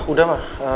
kamu udah mandi pak